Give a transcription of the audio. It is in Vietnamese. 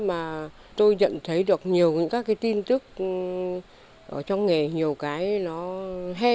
mà tôi nhận thấy được nhiều những các cái tin tức ở trong nghề nhiều cái nó hay